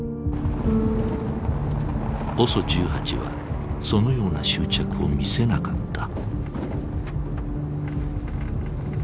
ＯＳＯ１８はそのような執着を見せなかった。